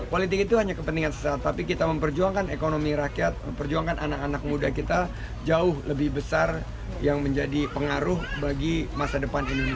politik itu hanya kepentingan sesaat tapi kita memperjuangkan ekonomi rakyat memperjuangkan anak anak muda kita jauh lebih besar yang menjadi pengaruh bagi masa depan indonesia